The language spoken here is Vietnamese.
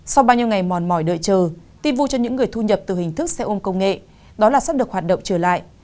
sau bao nhiêu ngày mòn mỏi đợi chờ tin vui cho những người thu nhập từ hình thức xe ôm công nghệ đó là sắp được hoạt động trở lại